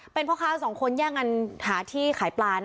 เป็นเพราะข้าวสองคนยากหนังหาที่ขายปลา